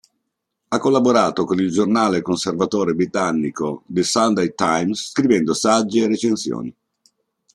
Ha collaborato con il giornale conservatore britannico The Sunday Times scrivendo saggi e recensioni.